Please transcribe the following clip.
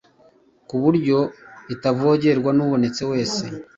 ku buryo itavogerwan'ubonetse wese,